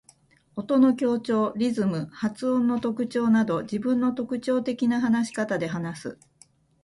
音の強調、リズム、発音の特徴など自分の特徴的な話し方で話す。